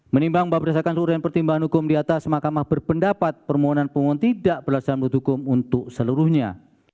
menimbang bahwa berdasarkan urutan pertimbangan hukum di atas makamah berpendapat permohonan pemohon tidak berdasarkan hukum untuk seluruhnya